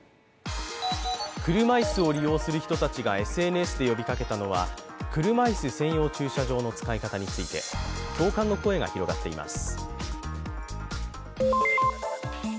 車椅子を利用する人たちがＳＮＳで呼びかけたのは車椅子専用駐車場の使い方について共感の声が広がっています。